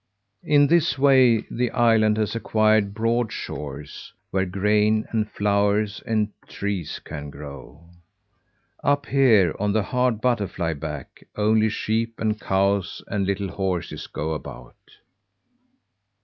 In this way the island has acquired broad shores, where grain and flowers and trees can grow. "Up here, on the hard butterfly back, only sheep and cows and little horses go about.